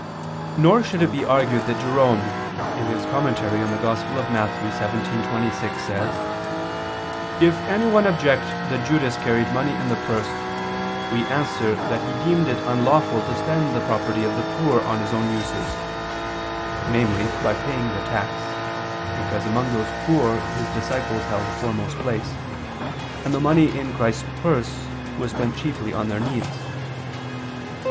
Nor should it be argued that Jerome (Super Matth. xvii, 26) says: "If anyone object that Judas carried money in the purse, we answer that He deemed it unlawful to spend the property of the poor on His own uses," namely by paying the tax because among those poor His disciples held a foremost place, and the money in Christ's purse was spent chiefly on their needs.